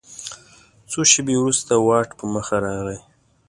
څو شیبې وروسته واټ په مخه راغی.